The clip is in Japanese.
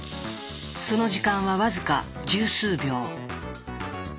その時間は僅か十数秒。